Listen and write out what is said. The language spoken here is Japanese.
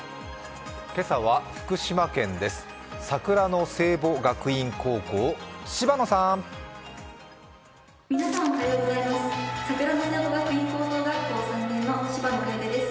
今朝は福島県です。